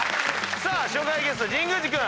さあ初回ゲスト神宮寺君